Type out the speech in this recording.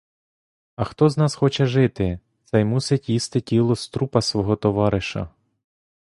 А хто з нас хоче жити, цей мусить їсти тіло з трупа свого товариша.